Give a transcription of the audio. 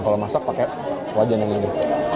kalau masak pakai wajan yang ini